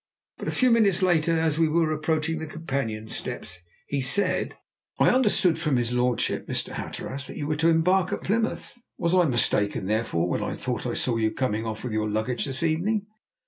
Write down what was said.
But a few minutes later, as we were approaching the companion steps, he said: "I understood from his lordship, Mr. Hatteras, that you were to embark at Plymouth; was I mistaken, therefore, when I thought I saw you coming off with your luggage this evening?"